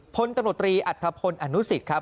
พตอัตภพนธ์อนุสิตครับ